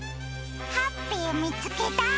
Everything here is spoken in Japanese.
ハッピーみつけた！